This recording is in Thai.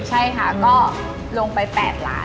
ใช่ค่ะก็ลงไป๘ล้าน